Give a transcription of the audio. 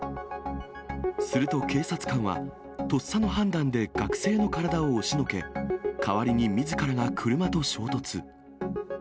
すると警察官は、とっさの判断で学生の体を押しのけ、代わりにみずからが車と衝突。